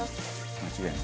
間違いない。